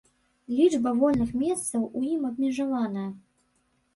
Лічба вольных месцаў у ім абмежаваная.